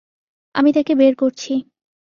আমি তাকে বের করছি।